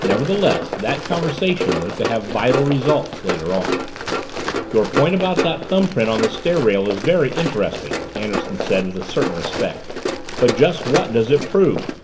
Nevertheless, that conversation was to have vital results later on. "Your point about that thumbprint on the stair rail is very interesting," Anderson said with a certain respect. "But just what does it prove?"